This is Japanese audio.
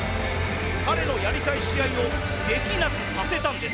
彼のやりたい試合をできなくさせたんです。